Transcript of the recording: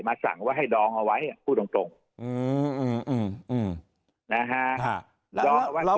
มาสั่งให้ดองเอาไว้พูดตรงอืมนะฮะ